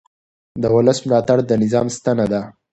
د ولس ملاتړ د نظام ستنه ده